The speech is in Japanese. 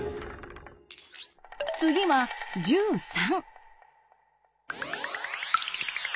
次は１３。